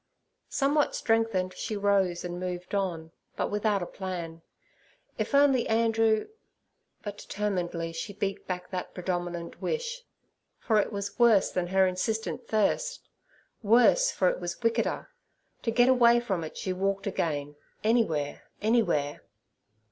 Somewhat strengthened, she rose and moved on, but without a plan. If only Andrew—But determinedly she beat back that predominant wish, for it was worse than her insistent thirst—worse, for it was wickeder. To get away from it she walked again, anywhere, anywhere.